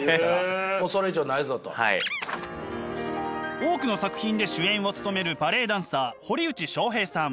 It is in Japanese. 多くの作品で主演を務めるバレエダンサー堀内將平さん。